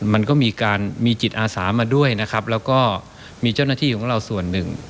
มันก็มีการมีจิตอาสามาด้วยนะครับแล้วก็มีเจ้าหน้าที่ของเราส่วนหนึ่ง